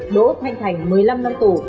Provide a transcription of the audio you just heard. đỗ thanh thành một mươi năm năm tù